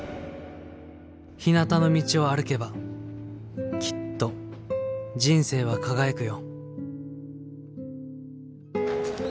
ひなたの道を歩けばきっと人生は輝くよ」。